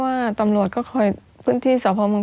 ไปทำศพน้อง